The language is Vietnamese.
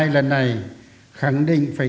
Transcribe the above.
lần này khẳng định phải